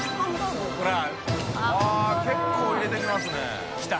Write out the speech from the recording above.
◆舛結構入れてきますね。来た！